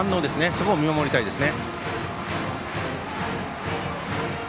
そこを見守りたいですね。